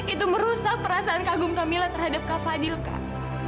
itu merusak perasaan kagum kamila terhadap kak fadil kak